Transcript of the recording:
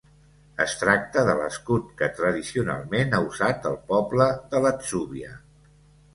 Es tracta de l'escut que tradicionalment ha usat el poble de l'Atzúbia.